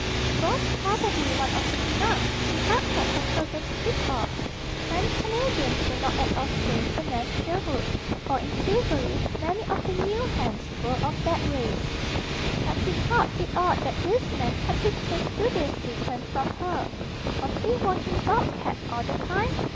He was probably one of the "Canucks" she had heard her cousins speak of. French Canadians were not at all strange to Nan Sherwood, for in Tillbury many of the mill hands were of that race. But she thought it odd that this man kept his face studiously turned from her. Was he watching the bobcat all the time?